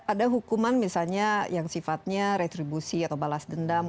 ada hukuman misalnya yang sifatnya retribusi atau balas dendam